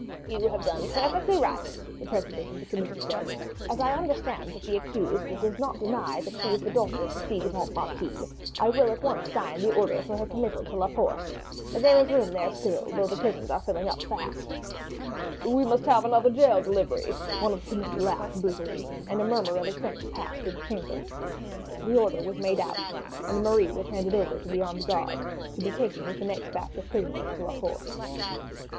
"You have done perfectly right," the president of the committee said. "As I understand that the accused does not deny that she is the daughter of the ci devant marquis, I will at once sign the order for her committal to La Force. There is room there still, though the prisons are filling up again fast." "We must have another jail delivery," one of the committee laughed brutally; and a murmur of assent passed through the chamber. The order was made out, and Marie was handed over to the armed guard, to be taken with the next batch of prisoners to La Force.